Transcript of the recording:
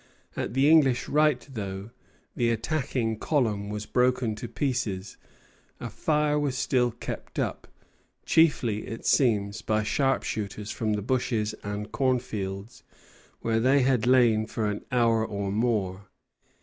At the English right, though the attacking column was broken to pieces, a fire was still kept up, chiefly, it seems, by sharpshooters from the bushes and cornfields, where they had lain for an hour or more.